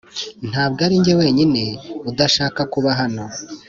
ntabwo arinjye wenyine udashaka kuba hano.